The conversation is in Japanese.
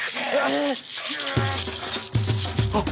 あっ！